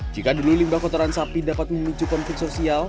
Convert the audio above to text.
jika dulu limbah kotoran sapi dapat memicu konflik sosial